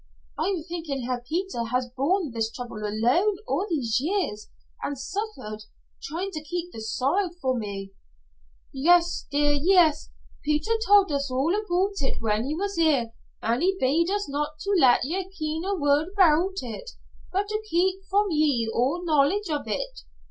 "I'm thinking how Peter has borne this trouble alone, all these years, and suffered, trying to keep the sorrow from me." "Yes, dear, yes. Peter told us all aboot it whan he was here, an' he bade us not to lat ye ken a word aboot it, but to keep from ye all knowledge of it.